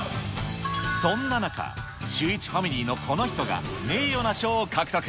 そんな中、シューイチファミリーのこの人が、名誉な賞を獲得。